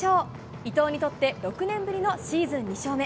伊藤にとって、６年ぶりのシーズン２勝目。